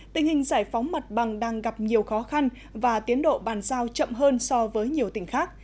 tình hình giải phóng mặt bằng đang gặp nhiều khó khăn và tiến độ bàn giao chậm hơn so với nhiều tỉnh khác